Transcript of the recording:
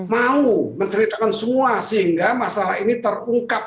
mau menceritakan semua sehingga masalah ini terungkap